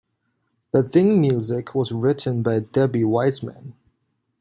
The theme music was written by Debbie Wiseman.